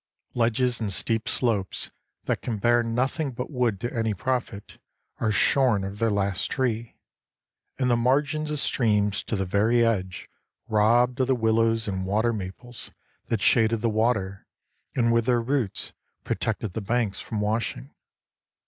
Ledges and steep slopes that can bear nothing but wood to any profit, are shorn of their last tree, and the margins of streams to the very edge robbed of the willows and water maples that shaded the water and with their roots protected the banks from washing.